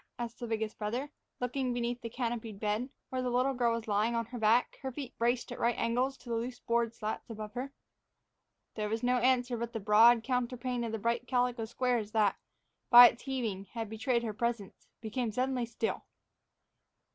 asked the biggest brother, looking beneath the canopied bed, where the little girl was lying on her back, her feet braced at right angles to the loose board slats above her. There was no answer, but the broad counterpane of bright calico squares that, by its heaving, had betrayed her presence, became suddenly still.